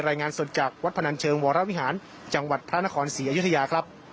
รายงานสดจากวัดพนันเชิงวรวิหารจังหวัดพระนครศรีอยุธยาครับ